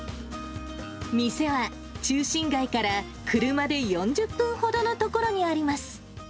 店は、中心街から車で４０分ほどの所にあります。